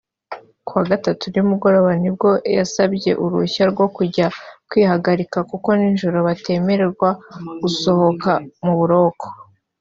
Ku wa Gatatu nimugoroba ni bwo ngo yasabye uruhushya rwo kujya kwihagarika kuko nijoro batemererwa gusohoka mu buroko